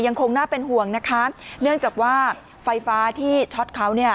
ยังคงน่าเป็นห่วงนะคะเนื่องจากว่าไฟฟ้าที่ช็อตเขาเนี่ย